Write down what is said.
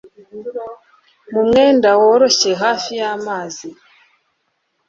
Mu mwenda woroshye hafi yamazi